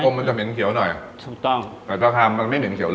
ชาโอมมันจะเหม็นเขียวหน่อยถูกต้องแต่ชาคามมันไม่เหม็นเขียวเลย